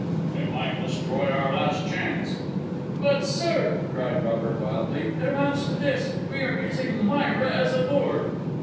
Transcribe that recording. "It might destroy our last chance." "But sir," cried Robert wildly, "it amounts to this: we are using Myra as a lure!"